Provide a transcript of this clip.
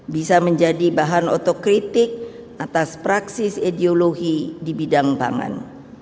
bisa menjadi bahan otokritik atas praksis ideologi di bidang pangan